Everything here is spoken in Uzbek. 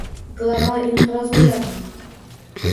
Global inqiroz bo'ladimi?